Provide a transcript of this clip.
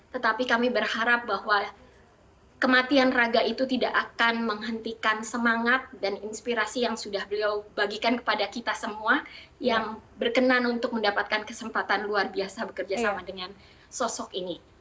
tetapi kami berharap bahwa kematian raga itu tidak akan menghentikan semangat dan inspirasi yang sudah beliau bagikan kepada kita semua yang berkenan untuk mendapatkan kesempatan luar biasa bekerja sama dengan sosok ini